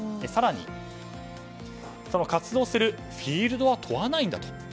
更に、活動するフィールドは問わないんだと。